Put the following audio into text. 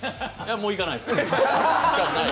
もう行かないです。